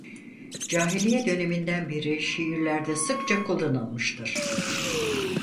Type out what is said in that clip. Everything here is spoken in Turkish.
Câhiliye döneminden beri şiirlerde sıkça kullanılmıştır.